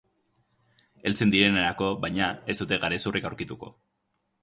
Heltzen direnerako, baina, ez dute garezurrik aurkituko.